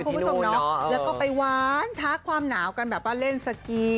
คุณผู้ชมเนาะแล้วก็ไปหวานทักความหนาวกันแบบว่าเล่นสกี